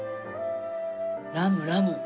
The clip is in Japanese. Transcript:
ラムラム。